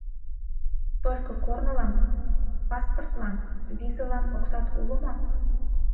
Только корнылан, паспыртлан, визылан оксат уло мо?